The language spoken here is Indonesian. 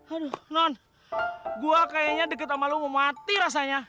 aduh non gue kayaknya deket sama lu mau mati rasanya